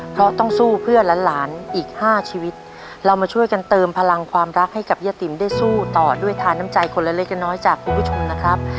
เพราะต้องสู้เพื่อหลานหลานอีกห้าชีวิตเรามาช่วยกันเติมพลังความรักให้กับย่าติ๋มได้สู้ต่อด้วยทาน้ำใจคนละเล็กละน้อยจากคุณผู้ชมนะครับ